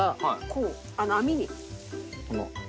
こう網に。